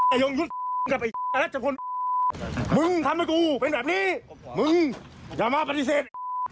ยงยุทธ์กับไอ้อรัชพลมึงทำให้กูเป็นแบบนี้มึงอย่ามาปฏิเสธ